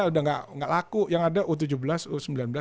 sudah tidak laku yang ada u tujuh belas u sembilan belas u sembilan belas